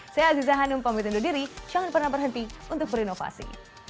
saya aziza hanum pamit undur diri jangan pernah berhenti untuk berinovasi